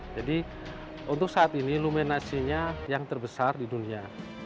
jadi untuk saat ini luminasinya yang terbesar di dunia